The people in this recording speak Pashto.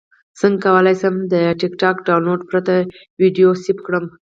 څنګه کولی شم د ټکټاک ډاونلوډ پرته ویډیو سیف کړم